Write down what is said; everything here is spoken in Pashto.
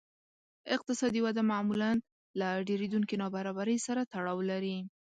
اقتصادي وده معمولاً له ډېرېدونکې نابرابرۍ سره تړاو لري